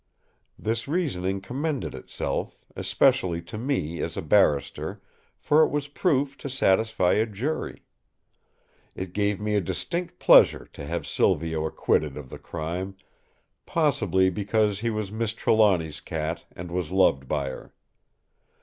This reasoning commended itself, especially to me as a barrister, for it was proof to satisfy a jury. It gave me a distinct pleasure to have Silvio acquitted of the crime—possibly because he was Miss Trelawny's cat and was loved by her.